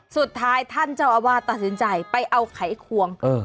สุดท้ายท่านเจ้าอาวาสตัดสินใจไปเอาไขควง